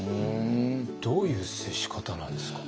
どういう接し方なんですか？